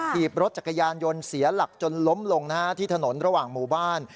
ถีบรถจักรยานยนต์เสียหลักจนล้มลงที่ถนนระหว่างหมู่บ้าน